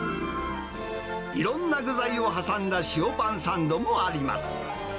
いろんな具材を挟んだ塩パンサンドもあります。